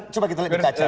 coba kita lihat di kaca